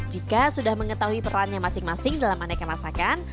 jika sudah mengetahui perannya masing masing dalam aneka masakan